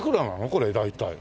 これ大体。